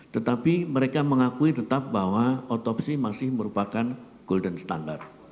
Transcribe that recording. tetapi mereka mengakui tetap bahwa otopsi masih merupakan golden standard